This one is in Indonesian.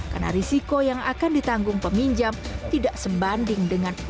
karena risiko yang akan ditanggung peminjam tidak sebanding dengan uang